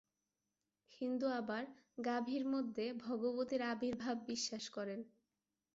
হিন্দু আবার গাভীর মধ্যে ভগবতীর আবির্ভাব বিশ্বাস করেন।